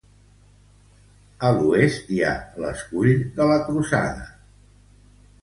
A l'oest hi ha l'escull de la Cruzada.